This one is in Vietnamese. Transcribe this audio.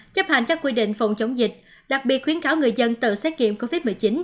chấp hành các quy định phòng chống dịch đặc biệt khuyến cáo người dân tự xét nghiệm covid một mươi chín